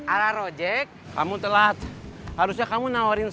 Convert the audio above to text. ararojek kamu telat harusnya kamu nawarin